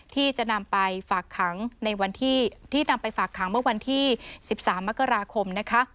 ที่จะนำไปฝากขังเมื่อวันที่๑๓มกราคม